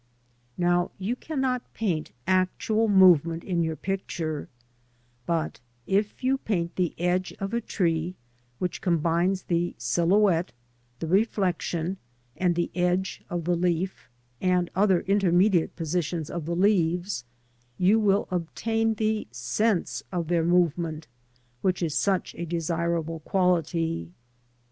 Now you cannot paint actual movement in your picture, but if you paint the edge of a tree which combines the sil houet te, the refl e c t ion, and the e^e of the leaf and other intermediate positions of the leaves, you will obtain the sense of their movement, which is such a desirable quality.